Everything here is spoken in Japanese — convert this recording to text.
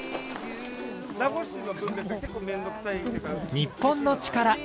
『日本のチカラ』